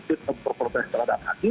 tetap berprotek terhadap hakim